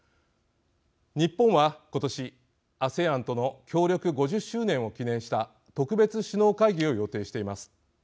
日本は、今年、ＡＳＥＡＮとの協力５０周年を記念した特別首脳会議を予定しています。